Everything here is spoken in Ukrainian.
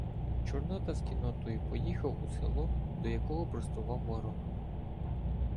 Чорнота з кіннотою поїхав у село, до якого простував ворог.